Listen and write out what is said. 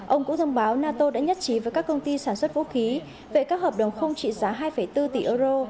ông cũng thông báo nato đã nhất trí với các công ty sản xuất vũ khí về các hợp đồng không trị giá hai bốn tỷ euro